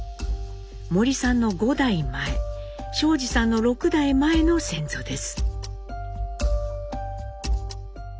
森さんの５代前昭二さんの６代前の先祖です。